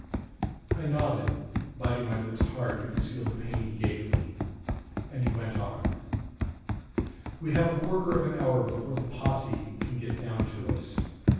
I nodded, biting my lips hard to conceal the pain he gave me, and he went on: 'We have a quarter of an hour before the Posse can get down to us.